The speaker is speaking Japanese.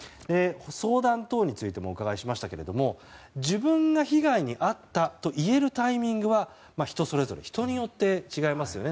相談等についてもお伺いしましたが自分が被害に遭ったと言えるタイミングは人それぞれ人によって違いますよね。